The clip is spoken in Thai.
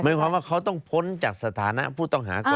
หมายความว่าเขาต้องพ้นจากสถานะผู้ต้องหาก่อน